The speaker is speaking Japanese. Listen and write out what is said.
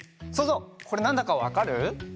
そうぞうこれなんだかわかる？